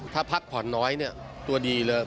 ถ้าพักผ่อนน้อยตัวดีเลย